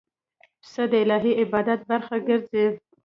پسه د الهی عبادت برخه ګرځي.